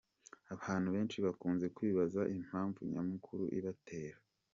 Abantu benshi bakunze kwibaza impamvu nyamukuru ibatera.